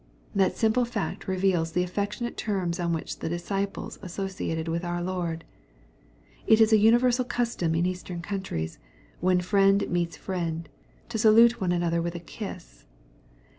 That simple fact reveals the affectionate terms on which the disciples associated with our Lord.C It is an universal custom in Eastern countries, when friend meets friend, to salute one another with a kiss.